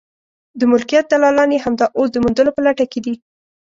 د ملکیت دلالان یې همدا اوس د موندلو په لټه کې دي.